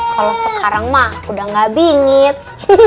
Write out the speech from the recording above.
kalau sekarang mah udah gak bingit